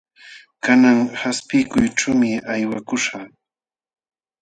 Kanan qaspiykuyćhuumi aywakuśhaq.